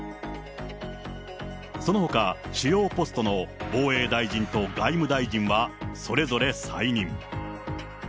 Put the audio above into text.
そのほか主要ポストの防衛大臣と外務大臣は、それぞれ再任。